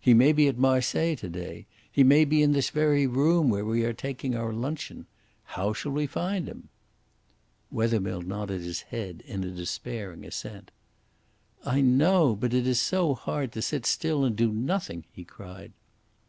He may be at Marseilles to day. He may be in this very room where we are taking our luncheon. How shall we find him?" Wethermill nodded his head in a despairing assent. "I know. But it is so hard to sit still and do nothing," he cried.